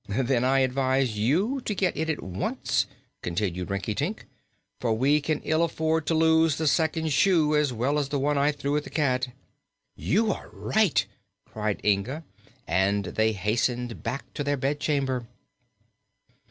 "Then I advise you to get it at once," continued Rinkitink, "for we can ill afford to lose the second shoe, as well as the one I threw at the cat." "You are right!" cried Inga, and they hastened back to their bedchamber.